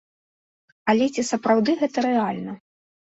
Але ці сапраўды гэта рэальна?